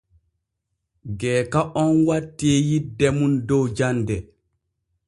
Geeka on wattii yidde mum dow jande.